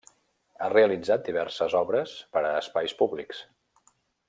Ha realitzat diverses obres per a espais públics.